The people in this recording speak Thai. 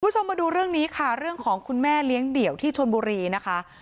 คุณผู้ชมมาดูเรื่องนี้ค่ะเรื่องของคุณแม่เลี้ยงเดี่ยวที่ชนบุรีนะคะ